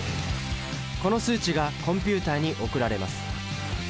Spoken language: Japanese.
この数値がコンピュータに送られます。